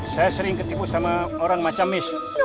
saya sering ketipu sama orang macam mis